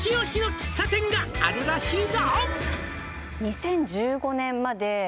「あるらしいぞ」